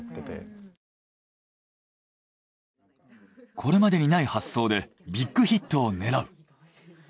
これまでにない発想でビッグヒットを狙う。